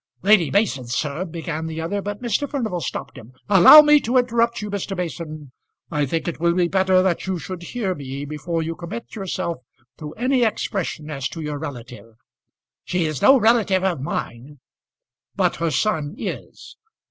"Lady Mason, sir " began the other; but Mr. Furnival stopped him. "Allow me to interrupt you, Mr. Mason. I think it will be better that you should hear me before you commit yourself to any expression as to your relative." "She is no relative of mine." "But her son is.